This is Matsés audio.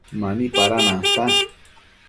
Mani pada nantan